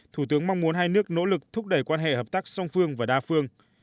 thủ tướng mong muốn hai nước nỗ lực thúc đẩy quan hệ hợp tác song phương và đa phương